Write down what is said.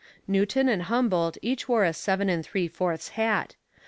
Newton and Humboldt each wore a seven and three fourths hat.